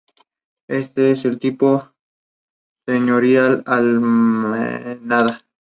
Esta es de tipo señorial almenada.